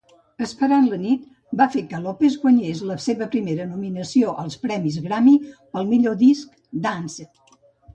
"Esperant la nit" va fer que Lopez guanyes la seva primera nominació als Premis Grammy, pel millor disc Dance.